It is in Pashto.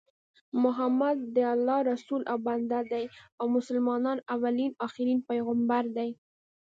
محمد د الله رسول او بنده دي او مسلمانانو اولين اخرين پیغمبر دي